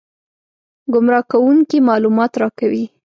ګمراه کوونکي معلومات راکوي.